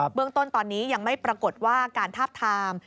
เรื่องต้นตอนนี้ยังไม่ปรากฏว่าการทาบทาม